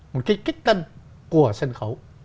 một cái kích tân của sân khấu